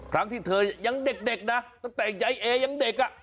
ทั้งที่เธอยังเด็กนะตั้งแต่ยายเอยังเด็กอ่ะ